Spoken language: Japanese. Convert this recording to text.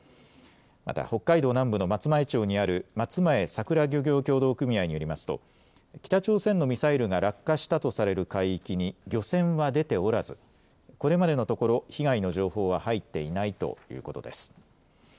また、北海道南部の松前町にある、松前さくら漁業協同組合によりますと、北朝鮮のミサイルが落下したとされる海域に漁船は出ておらず、これまでのところ、被害の情報は入っていないということです。